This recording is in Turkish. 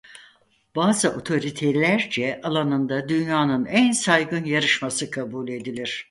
Bazı otoritelerce alanında dünyanın en saygın yarışması kabul edilir.